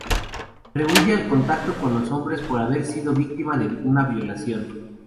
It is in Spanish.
Rehúye al contacto con los hombres por haber sido víctima de una violación.